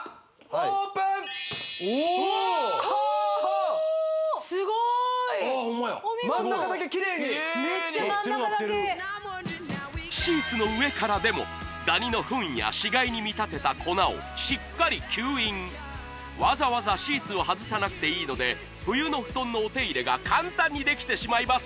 ホンマや真ん中だけキレイにメッチャ真ん中だけシーツの上からでもダニのフンや死骸に見立てた粉をしっかり吸引わざわざシーツを外さなくていいので冬の布団のお手入れが簡単にできてしまいます